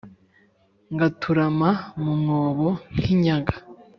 ngaturama mu mwobo nk'inyaga